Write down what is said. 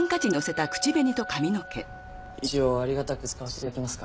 一応ありがたく使わせていただきますか。